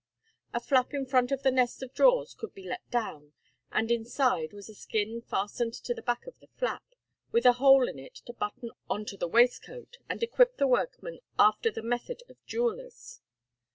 A flap in front of the nest of drawers could be let down, and inside was a skin fastened to the back of the flap, with a hole in it to button on to the waistcoat, and equip the workman after the method of jewellers.